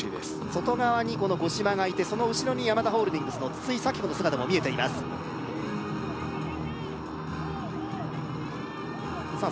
外側にこの五島がいてその後ろにヤマダホールディングスの筒井咲帆の姿も見えていますさあ